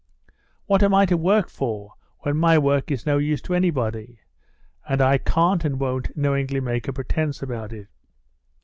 "What am I to work for when my work is no use to anybody? And I can't and won't knowingly make a pretense about it."